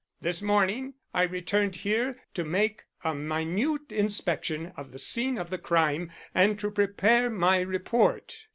This morning I returned here to make a minute inspection of the scene of the crime and to prepare my report."